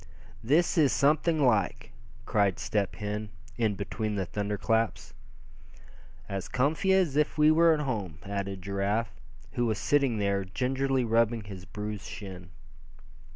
"This is something like!" cried Step Hen, in between the thunder claps. "As comfy as if we were at home," added Giraffe, who was sitting there, gingerly rubbing his bruised shin.